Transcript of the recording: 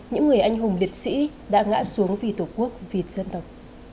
những người anh hùng liệt sĩ đã ngã xuống vì tổ quốc vì dân tộc